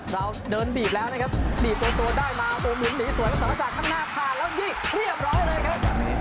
เราเดินบีบแล้วนะครับบีบตัวตัวได้มาตัวหมุนหรือสวยก็สามารถฝากข้างหน้าผ่านแล้วยิงเรียบร้อยเลยครับ